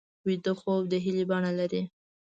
ویده خوب د هیلې بڼه لري